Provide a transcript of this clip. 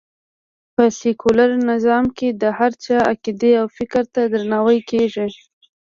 په سکیولر نظام کې د هر چا عقېدې او فکر ته درناوی کېږي